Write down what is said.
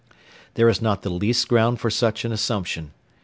There is not the least ground for such an assumption.